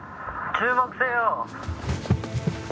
注目せよ」